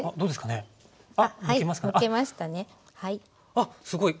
あっすごい！